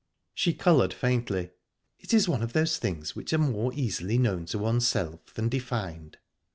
She coloured faintly. "It is one of those things which are more easily known to oneself than defined."